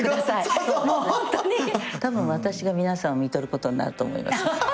たぶん私が皆さんをみとることになると思います。